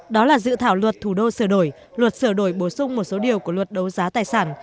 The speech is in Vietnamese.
đó là dự thảo luật thủ đô sửa đổi luật sửa đổi bổ sung một số điều của luật đấu giá tài sản